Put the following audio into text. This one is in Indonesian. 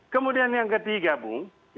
kemudian yang ketiga bu